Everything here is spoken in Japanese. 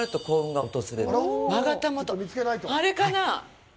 あれかな？